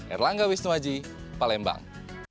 erlangga wisnuaji palembang